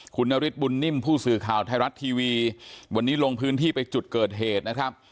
คุณนฤทธบุญนิ่มผู้สื่อข่าวไทยรัฐทีวีวันนี้ลงพื้นที่ไปจุดเกิดเหตุนะครับ